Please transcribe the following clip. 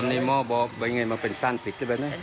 แล้วไม่ทราบจะนิด